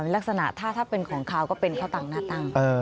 ลักษณะถ้าเป็นของขาวก็เป็นข้าวตังหน้าตั้ง